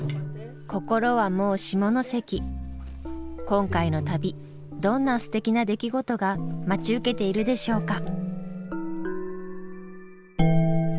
今回の旅どんなすてきな出来事が待ち受けているでしょうか。